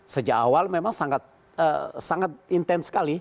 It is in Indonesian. sejak awal memang sangat intens sekali